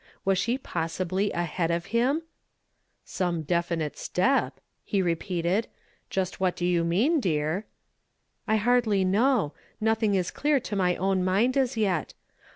Was she possibly ahead of him ?" Some definite step !" he repeated ; "just what do you mean, dear? "" I hardly know. Nothing is clear to my own mind as yet.